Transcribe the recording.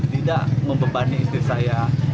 tidak membebani istri saya